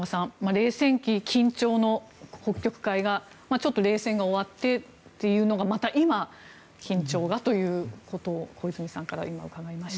冷戦期、緊張の北極海がちょっと冷戦が終わってというのがまた今、緊張がということを小泉さんから今、伺いました。